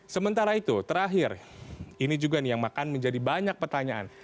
sementara itu terakhir ini juga nih yang akan menjadi banyak pertanyaan